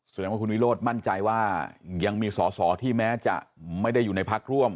แสดงว่าคุณวิโรธมั่นใจว่ายังมีสอสอที่แม้จะไม่ได้อยู่ในพักร่วม